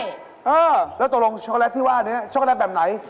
เออแล้วตรงรวมไอ้ช็อกโกแลตที่ว่าอันนี้ช็อกโกแลตแบบไหน